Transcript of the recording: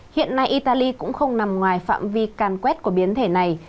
hiện nay italy cũng không nằm ngoài phạm vi càn quét của biến thể này